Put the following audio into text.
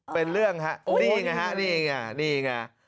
เป็นเรื่องฮะนี่ไงฮะนี่ไงนี่ไง